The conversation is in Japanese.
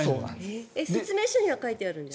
説明書には書いてあるんですか？